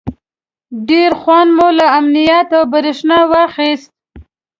ډېر خوند مو له امنیت او برېښنا واخیست.